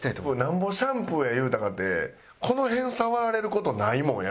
なんぼシャンプーや言うたかてこの辺触られる事ないもんやっぱ。